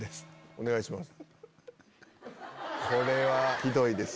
お願いします。